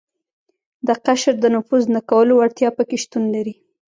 د قشر د نفوذ نه کولو وړتیا په کې شتون لري.